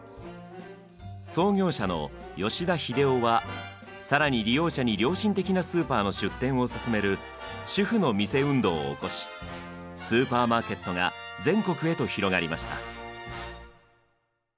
創業者の吉田日出男は更に利用者に良心的なスーパーの出店をすすめる「主婦の店」運動を起こしスーパーマーケットが全国へと広がりました。